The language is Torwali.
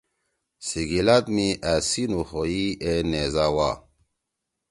سیِگیِلاد می أ سی نُوخوئی اے نیزا وا